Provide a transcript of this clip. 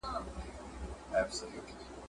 جهاني به کله یاد سي په نغمو کي په غزلو `